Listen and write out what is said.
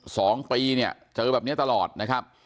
สองปีเนี่ยเจอแบบเนี้ยตลอดนะครับ